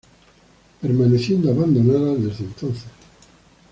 Permaneciendo abandonada desde entonces.